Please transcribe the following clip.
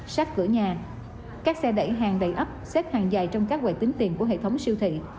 sát cửa nhà các xe đẩy hàng đầy ấp xếp hàng dài trong các quầy tính tiền của hệ thống siêu thị